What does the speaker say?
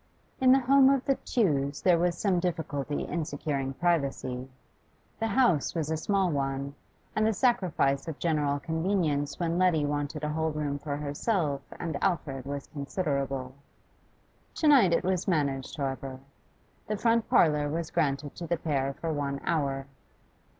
In the home of the Tews there was some difficulty in securing privacy. The house was a small one, and the sacrifice of general convenience when Letty wanted a whole room for herself and Alfred was considerable. To night it was managed, however; the front parlour was granted to the pair for one hour.